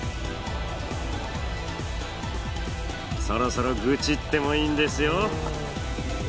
そろそろ愚痴ってもいいんですよ。